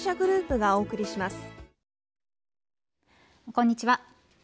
こんにちは。